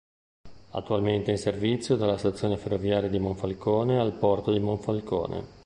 Attualmente in servizio dalla Stazione ferroviaria di Monfalcone al Porto di Monfalcone.